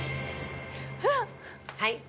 はい。